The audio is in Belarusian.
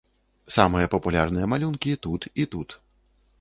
Самыя папулярныя малюнкі тут і тут.